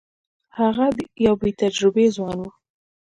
هغه یو بې تجربې ځوان وو.